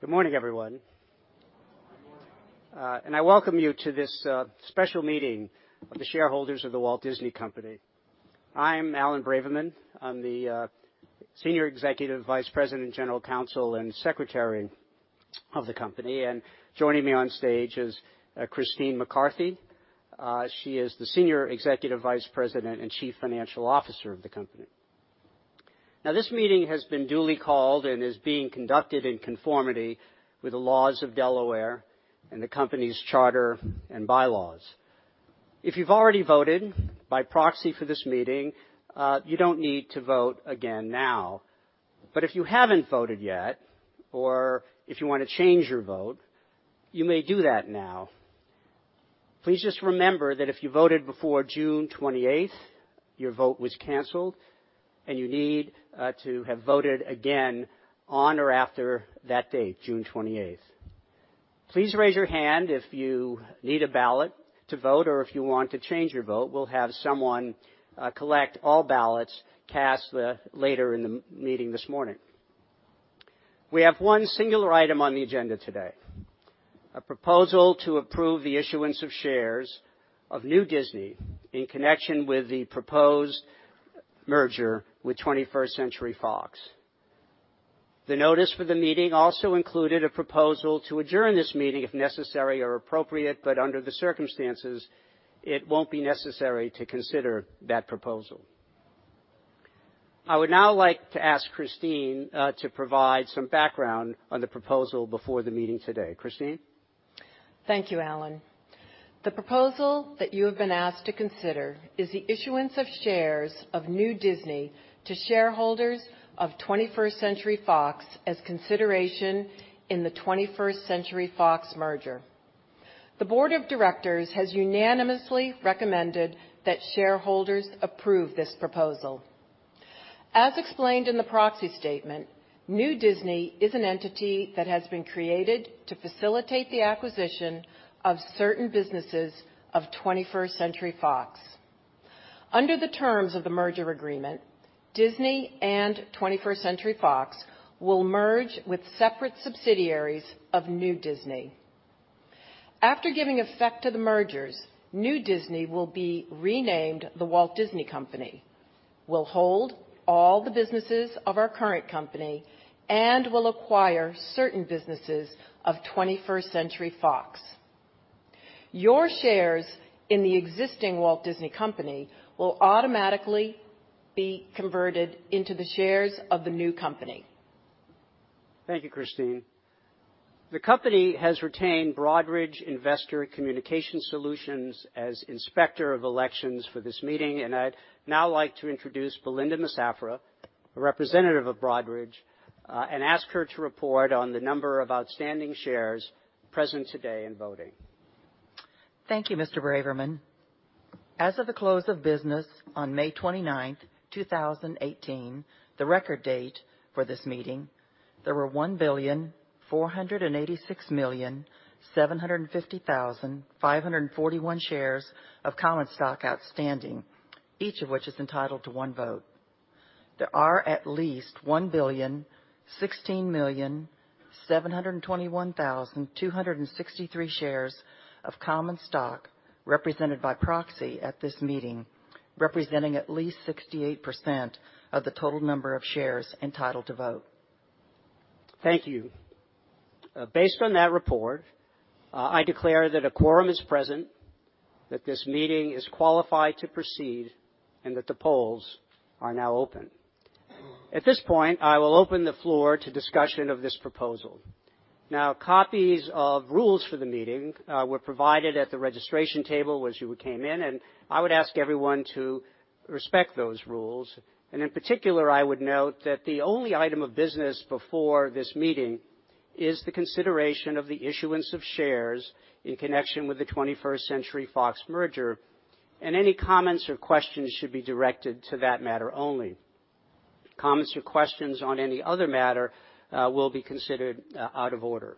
Good morning, everyone. Good morning. I welcome you to this special meeting of the shareholders of The Walt Disney Company. I'm Alan Braverman. I'm the Senior Executive Vice President, General Counsel, and Secretary of the company. Joining me on stage is Christine McCarthy. She is the Senior Executive Vice President and Chief Financial Officer of the company. Now, this meeting has been duly called and is being conducted in conformity with the laws of Delaware and the company's charter and bylaws. If you've already voted by proxy for this meeting, you don't need to vote again now. If you haven't voted yet, or if you want to change your vote, you may do that now. Please just remember that if you voted before June 28th, your vote was canceled, and you need to have voted again on or after that date, June 28th. Please raise your hand if you need a ballot to vote or if you want to change your vote. We'll have someone collect all ballots cast later in the meeting this morning. We have one singular item on the agenda today, a proposal to approve the issuance of shares of new Disney in connection with the proposed merger with 21st Century Fox. The notice for the meeting also included a proposal to adjourn this meeting if necessary or appropriate, under the circumstances, it won't be necessary to consider that proposal. I would now like to ask Christine to provide some background on the proposal before the meeting today. Christine? Thank you, Alan. The proposal that you have been asked to consider is the issuance of shares of new Disney to shareholders of 21st Century Fox as consideration in the 21st Century Fox merger. The board of directors has unanimously recommended that shareholders approve this proposal. As explained in the proxy statement, new Disney is an entity that has been created to facilitate the acquisition of certain businesses of 21st Century Fox. Under the terms of the merger agreement, Disney and 21st Century Fox will merge with separate subsidiaries of new Disney. After giving effect to the mergers, new Disney will be renamed The Walt Disney Company, will hold all the businesses of our current company, and will acquire certain businesses of 21st Century Fox. Your shares in the existing Walt Disney Company will automatically be converted into the shares of the new company. Thank you, Christine. The company has retained Broadridge Investor Communication Solutions as inspector of elections for this meeting. I'd now like to introduce Belinda Massafra, a representative of Broadridge, and ask her to report on the number of outstanding shares present today and voting. Thank you, Mr. Braverman. As of the close of business on May 29th, 2018, the record date for this meeting, there were 1,486,750,541 shares of common stock outstanding, each of which is entitled to one vote. There are at least 1,016,721,263 shares of common stock represented by proxy at this meeting, representing at least 68% of the total number of shares entitled to vote. Thank you. Based on that report, I declare that a quorum is present, that this meeting is qualified to proceed, that the polls are now open. At this point, I will open the floor to discussion of this proposal. Copies of rules for the meeting were provided at the registration table as you came in. I would ask everyone to respect those rules. In particular, I would note that the only item of business before this meeting is the consideration of the issuance of shares in connection with the 21st Century Fox merger, any comments or questions should be directed to that matter only. Comments or questions on any other matter will be considered out of order.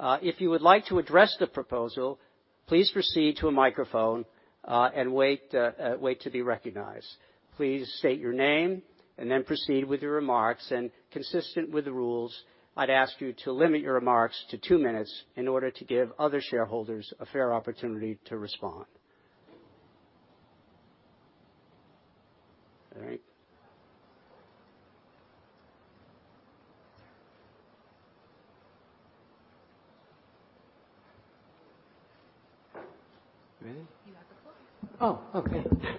If you would like to address the proposal, please proceed to a microphone and wait to be recognized. Please state your name and then proceed with your remarks. Consistent with the rules, I'd ask you to limit your remarks to two minutes in order to give other shareholders a fair opportunity to respond. All right. Ready? You have the floor. Oh,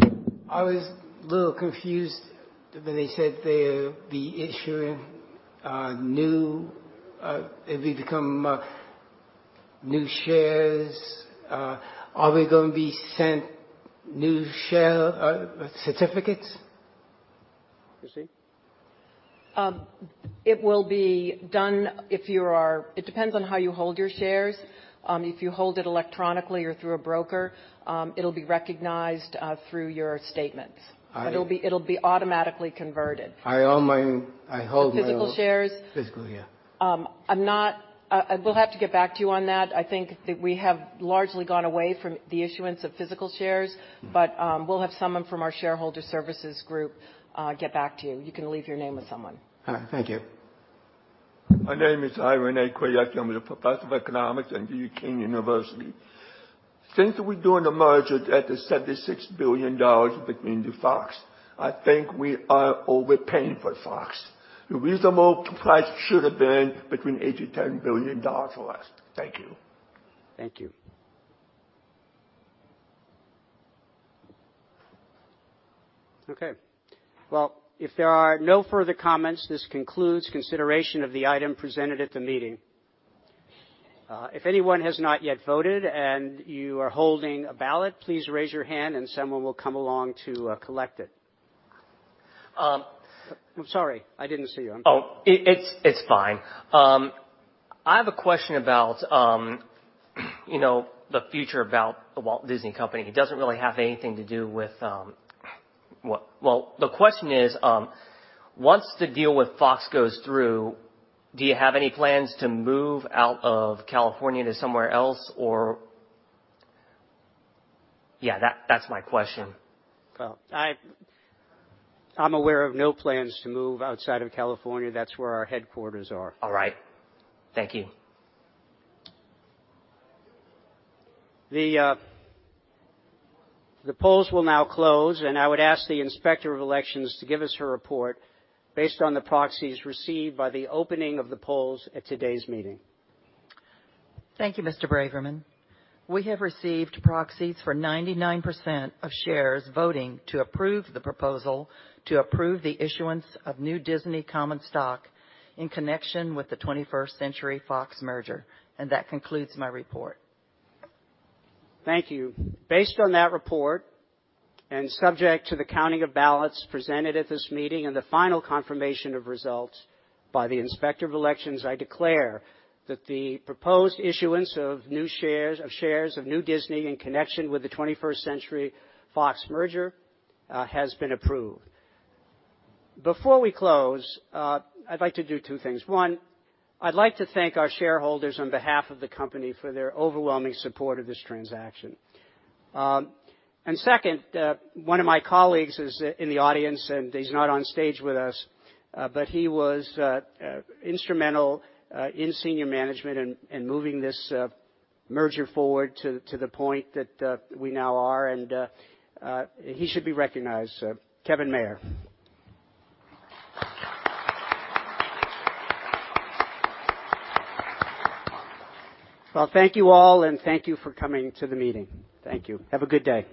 okay. I was a little confused when they said they'd be issuing new shares. Are we going to be sent new share certificates? Christine? It depends on how you hold your shares. If you hold it electronically or through a broker, it'll be recognized through your statements. I- It'll be automatically converted. I hold my- Physical shares? Physical, yeah. We'll have to get back to you on that. I think that we have largely gone away from the issuance of physical shares. We'll have someone from our shareholder services group get back to you. You can leave your name with someone. All right. Thank you. My name is Ira Rene Kriaukas. I'm a professor of economics at Duke University. Since we're doing a merger at the $76 billion between Fox, I think we are overpaying for Fox. The reasonable price should have been between $8 billion-$10 billion or less. Thank you. Thank you. Okay. Well, if there are no further comments, this concludes consideration of the item presented at the meeting. If anyone has not yet voted and you are holding a ballot, please raise your hand and someone will come along to collect it. I'm sorry, I didn't see you. It's fine. I have a question about the future about The Walt Disney Company. It doesn't really have anything to do with Well, the question is, once the deal with Fox goes through, do you have any plans to move out of California to somewhere else? Yeah, that's my question. Well, I'm aware of no plans to move outside of California. That's where our headquarters are. All right. Thank you. The polls will now close, I would ask the Inspector of Election to give us her report based on the proxies received by the opening of the polls at today's meeting. Thank you, Mr. Braverman. We have received proxies for 99% of shares voting to approve the proposal to approve the issuance of new Disney common stock in connection with the 21st Century Fox merger. That concludes my report. Thank you. Based on that report, subject to the counting of ballots presented at this meeting and the final confirmation of results by the Inspector of Election, I declare that the proposed issuance of shares of new Disney in connection with the 21st Century Fox merger has been approved. Before we close, I'd like to do two things. One, I'd like to thank our shareholders on behalf of the company for their overwhelming support of this transaction. Second, one of my colleagues is in the audience, and he's not on stage with us, but he was instrumental in senior management and moving this merger forward to the point that we now are, and he should be recognized. Kevin Mayer. Well, thank you all, and thank you for coming to the meeting. Thank you. Have a good day